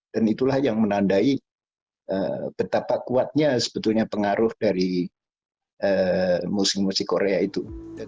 dan itulah yang menandai betapa kuatnya sebetulnya pengaruh dari musik musik korea itu